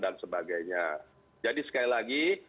dan sebagainya jadi sekali lagi